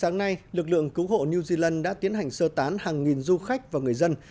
ngay lực lượng cứu hộ new zealand đã tiến hành sơ tán hàng nghìn du khách và người dân